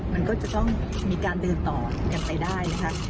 มันก็จะต้องมีการเดินต่อกันไปได้นะคะ